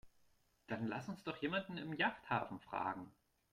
Dann lass uns doch jemanden im Yachthafen fragen.